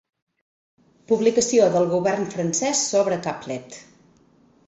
Publicació del Govern francès sobre Caplet.